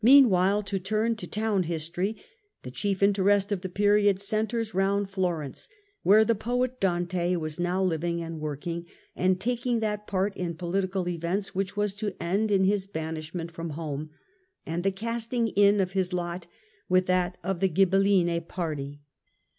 Meanwhile to turn to town history, the chief interest of the period centres round Florence, where the poet Florence Dante was now living and working, and taking that part in poHtical events which was to end in his banish ment from home, and the casting in of his lot with that of the Ghibelline party.